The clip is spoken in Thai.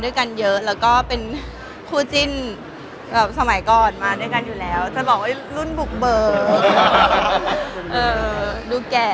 ด้วยกันเยอะแล้วก็เป็นคู่จิ้นสมัยก่อนมาด้วยกันอยู่แล้วจะบอกว่ารุ่นบุกเบอร์ดูแก่